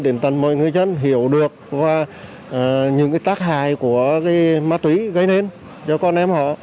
đến tầng mọi người dân hiểu được những tác hại của ma túy gây nên cho con em họ